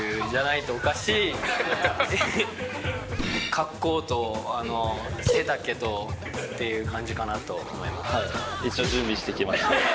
格好と背丈とっていう感じかなと思います。